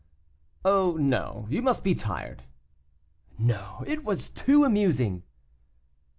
"Oh, no; you must be tired." "No; it was too amusing."